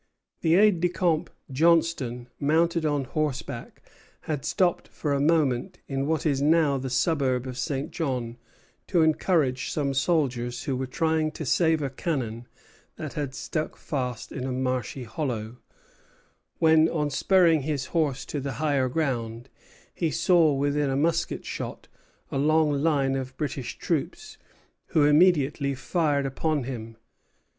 Vaudreuil au Ministre, 21 Sept. 1759. Ibid., 5 Oct. 1759. The aide de camp Johnstone, mounted on horseback, had stopped for a moment in what is now the suburb of St. John to encourage some soldiers who were trying to save a cannon that had stuck fast in a marshy hollow; when, on spurring his horse to the higher ground, he saw within musket shot a long line of British troops, who immediately fired upon him.